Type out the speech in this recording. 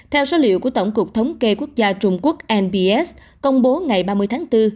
theo số liệu của tổng cục thống kê quốc gia trung quốc nps công bố ngày ba mươi tháng bốn